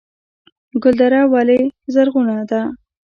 ګلدره ولې زرغونه ده؟